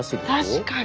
確かに。